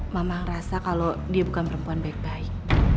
mama ngerasa kalau dia bukan perempuan baik baik